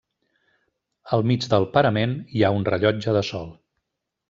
Al mig del parament hi ha un rellotge de sol.